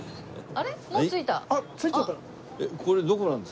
あっ着いちゃった？